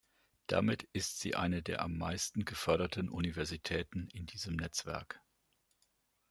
Damit ist sie eine der am meisten geförderten Universitäten in diesem Netzwerk.